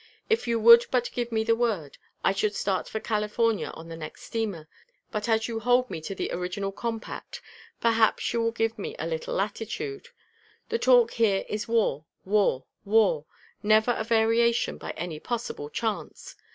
If you would but give me the word, I should start for California on the next steamer; but as you hold me to the original compact, perhaps you will give me a little latitude. The talk here is war, war, war, never a variation by any possible chance.